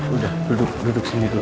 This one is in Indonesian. udah duduk duduk sini dulu